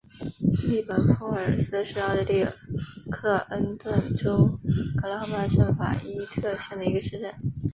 利本弗尔斯是奥地利克恩顿州格兰河畔圣法伊特县的一个市镇。